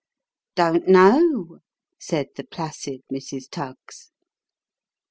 " Don't know," said the placid Mrs. Tuggs.